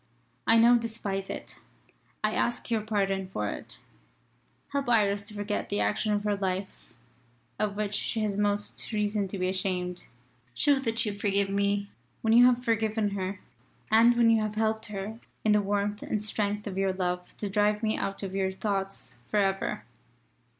I now despise it. I ask your pardon for it. Help Iris to forget the action of her life of which she has most reason to be ashamed. Show that you forgive me when you have forgiven her and when you have helped her in the warmth and strength of your love to drive me out of your thoughts for ever.